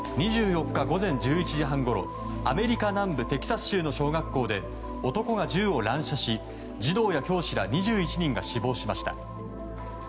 ２４日午前１１時半ごろアメリカ南部テキサス州の小学校で男が銃を乱射し児童や教師ら２１人が死亡しました。